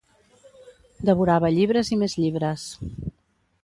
Devorava llibres i més llibres.